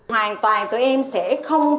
hoàn toàn tụi em sẽ không có